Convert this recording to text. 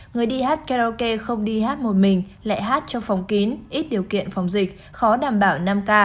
người đi hát karaoke không đi hát một mình lại hát trong phòng kín ít điều kiện phòng dịch khó đảm bảo năm k